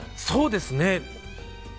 そうですね。